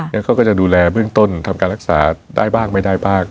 แล้วเขาก็จะดูแลเบื้องต้นทำการรักษาได้บ้างไม่ได้บ้าง